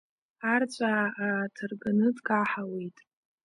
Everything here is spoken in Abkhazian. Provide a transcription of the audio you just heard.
Арҵәаа ааҭырганы дкаҳауеит.